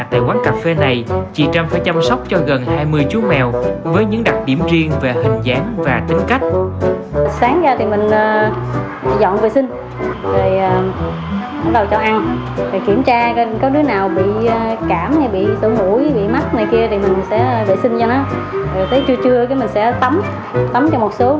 tại quán cà phê này chị trâm phải chăm sóc cho gần hai mươi chú mèo với những đặc điểm riêng về hình dáng và tính cách